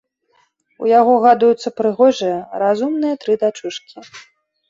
У яго гадуюцца прыгожыя, разумныя тры дачушкі.